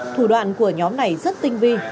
thủ đoạn của nhóm này rất tinh vi